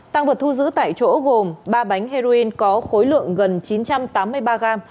tăng vật thu giữ tại chỗ gồm ba bánh heroin có khối lượng gần chín trăm tám mươi ba g